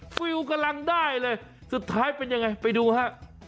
ฟิลกำลังได้เลยสุดท้ายเป็นยังไงไปดูฮะ